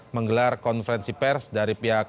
menggelar konferensi pers dari pihak